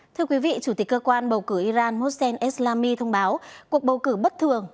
thưa quý vị chủ tịch cơ quan bầu cử iran mossel eslami thông báo cuộc bầu cử bất thường